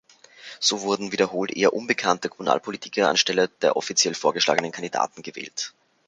So wurden wiederholt eher unbekannte Kommunalpolitiker anstelle der offiziell vorgeschlagenen Kandidaten gewählt.